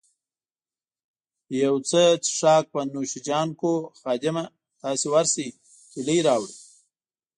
یو څه څیښاک به نوش جان کړو، خادمه، تاسي ورشئ کیلۍ راوړئ.